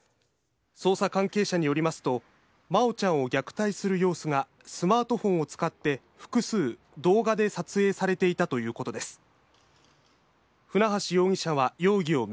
捜査関係者によりますと真愛ちゃんを虐待する様子がスマートフォンを使って複数、動画で撮影されていたということです。